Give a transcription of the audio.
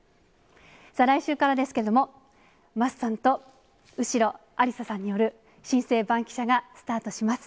来週からですけれども、桝さんと後呂有紗さんによる、新生バンキシャがスタートします。